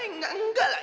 enggak enggak lah